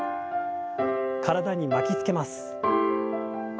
体に巻きつけます。